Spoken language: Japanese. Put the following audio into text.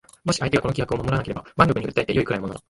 もし相手がこの規約を守らなければ腕力に訴えて善いくらいのものだ